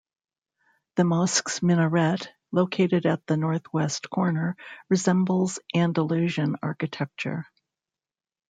The mosque's minaret, located at the northwest corner, resembles Andalusian architecture.